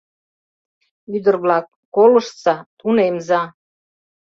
— Ӱдыр-влак, колыштса, тунемза...